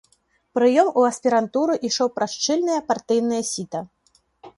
Прыём у аспірантуру ішоў праз шчыльнае партыйнае сіта.